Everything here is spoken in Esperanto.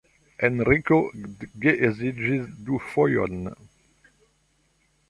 Henriko geedziĝis du fojojn.